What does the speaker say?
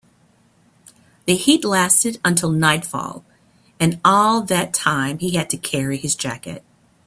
The heat lasted until nightfall, and all that time he had to carry his jacket.